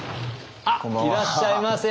あっいらっしゃいませ。